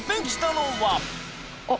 あっ。